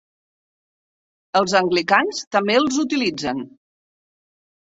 Els anglicans també els utilitzen.